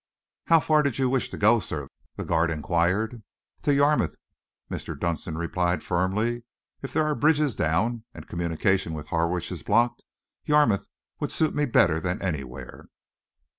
"How far did you wish to go, sir?" the guard enquired. "To Yarmouth," Mr. Dunster replied firmly. "If there are bridges down, and communication with Harwich is blocked, Yarmouth would suit me better than anywhere."